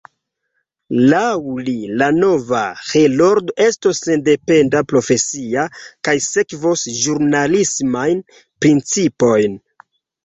Laŭ li la nova Heroldo estos sendependa, profesia, kaj sekvos ĵurnalismajn principojn.